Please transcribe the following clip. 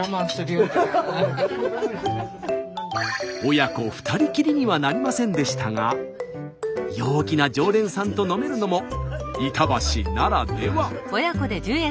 親子２人きりにはなりませんでしたが陽気な常連さんと飲めるのも板橋ならでは。